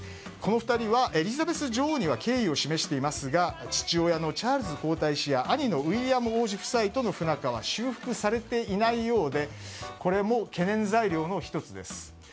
この２人は、エリザベス女王には敬意を示していますが父親のチャールズ皇太子や兄のウィリアム王子夫妻との不仲は修復されていないようでこれも懸念材料の１つです。